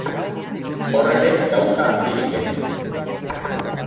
Hor ere, gauza handirik ez.